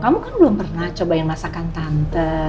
kamu kan belum pernah cobain masakan tante